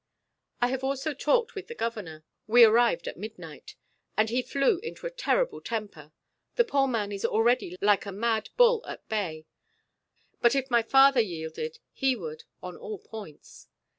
I have also talked with the Governor we arrived at midnight and he flew into a terrible temper the poor man is already like a mad bull at bay but if my father yielded, he would on all points.